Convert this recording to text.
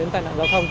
tai nạn giao thông